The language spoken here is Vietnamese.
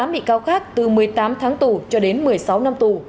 một mươi bị cáo khác từ một mươi tám tháng tù cho đến một mươi sáu năm tù